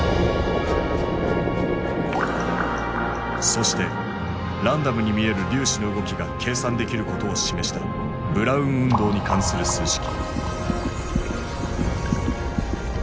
そしてランダムに見える粒子の動きが計算できることを示したブラウン運動に関する数式。